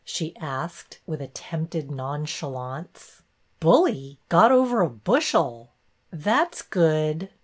" she asked, with attempted nonchalance. Bully ! Got over a bushel." That 's good."